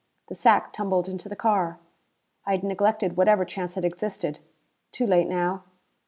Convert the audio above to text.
The sack tumbled into the car. I had neglected whatever chance had existed. Too late now!